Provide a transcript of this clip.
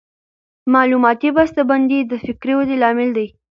معلوماتي بسته بندي د فکري ودې لامل دی.